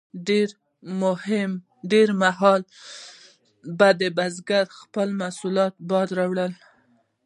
ډیر مهال به د بزګر خپل محصولات باد وړل.